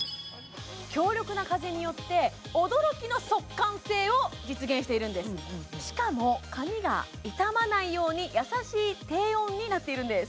協力な風によって驚きの速乾性を実現しているんですしかも髪が傷まないようにやさしい低温になっているんです